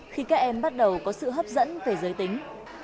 khi các em bắt đầu có sự hấp dẫn về giới tính